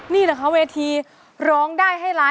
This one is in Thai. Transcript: นี่แหละค่ะเวทีร้องได้ให้ล้าน